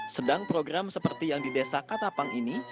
sedang program seperti yang di desa katapang ini